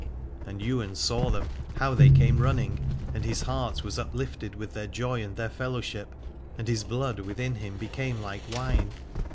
And Ywain saw them how they came running, and his heart was uplifted with their joy and their fellowship, and his blood within him became like wine.